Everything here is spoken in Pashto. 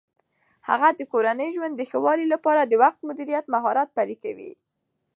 هغه د کورني ژوند د ښه والي لپاره د وخت مدیریت مهارت پلي کوي.